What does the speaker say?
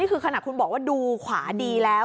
นี่คือขณะคุณบอกว่าดูขวาดีแล้ว